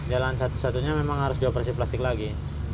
jalan satu satunya memang harus dioperasi plastik lagi